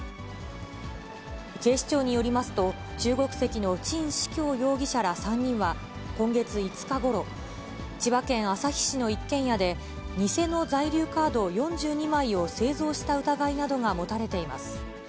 警視庁によりますと、中国籍の沈志強容疑者ら３人は、今月５日ごろ、千葉県旭市の一軒家で、偽の在留カード４２枚を製造した疑いなどが持たれています。